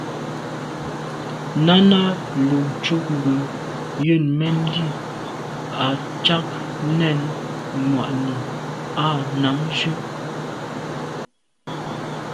Náná lùcúp mbə̄ jə̂nə̀ mɛ́n lî à’ cák nɛ̂n mwà’nì á nǎmjʉ́.